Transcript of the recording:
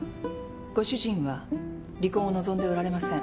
ご主人は離婚を望んでおられません。